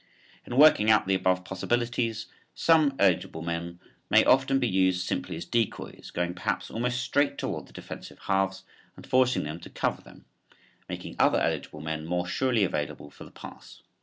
In working out the above possibilities some eligible men may often be used simply as decoys going perhaps almost straight toward the defensive halves and forcing them to cover them, making other eligible men more surely available for the pass.